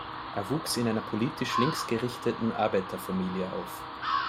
Er wuchs in einer politisch linksgerichteten Arbeiterfamilie auf.